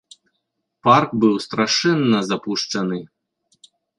Парк быў страшэнна запушчаны.